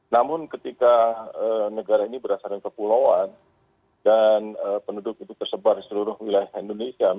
namun ketika negara ini berasal dari kepulauan dan penduduk itu tersebar di seluruh wilayah indonesia